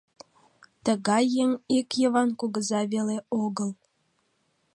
Тыгай еҥ ик Йыван кугыза веле огыл.